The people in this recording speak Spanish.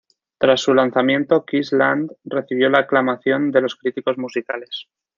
Tras su lanzamiento, ""Kiss Land"" recibió la aclamación de los críticos musicales.